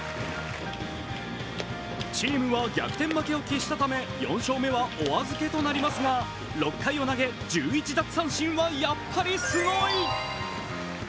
チームは逆転負けを喫したため４勝目はお預けとなりましたが６回を投げ１１奪三振はやっぱりすごい。